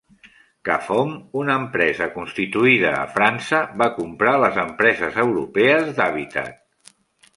Cafom, una empresa constituïda a França, va comprar les empreses europees d'Habitat.